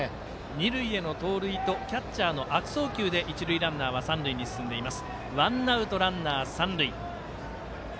二塁への盗塁とキャッチャーの悪送球で一塁ランナーは三塁に進んでいます。